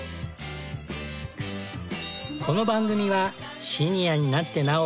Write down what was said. この番組はシニアになってなお